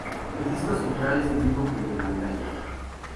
El disco central es el mismo que el de la medalla.